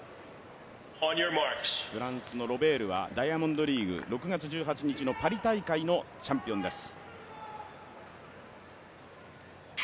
フランスのロベール、ダイヤモンドリーグ、パリ大会のチャンピオンです。